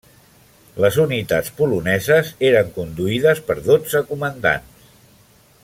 Les unitats poloneses eren conduïdes per dotze comandants.